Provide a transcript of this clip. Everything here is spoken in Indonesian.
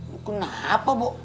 lu kenapa pok